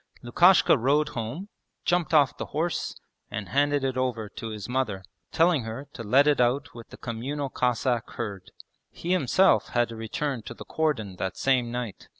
Lukashka rode home, jumped off the horse, and handed it over to his mother, telling her to let it out with the communal Cossack herd. He himself had to return to the cordon that same night.